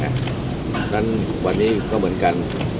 ดังนั้นวันนี้ก็เหมือนกัน